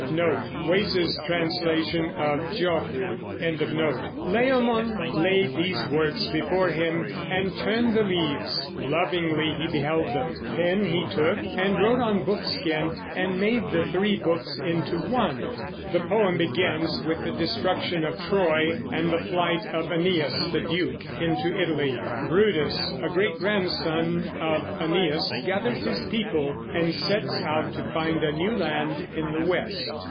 Layamon laid these works before him and turned the leaves; lovingly he beheld them. Pen he took, and wrote on book skin, and made the three books into one. The poem begins with the destruction of Troy and the flight of "Æneas the duke" into Italy. Brutus, a great grandson of Æneas, gathers his people and sets out to find a new land in the West.